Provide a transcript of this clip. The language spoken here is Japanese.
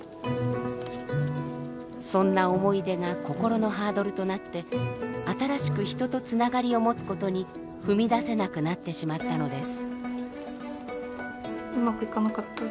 そんな思い出が心のハードルとなって新しく人とつながりを持つことに踏み出せなくなってしまったのです。